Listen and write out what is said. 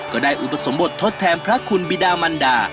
อุปสมบททดแทนพระคุณบิดามันดา